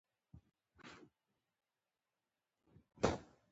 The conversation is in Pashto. دا چاره ستاسې په ځان باور زیاتوي.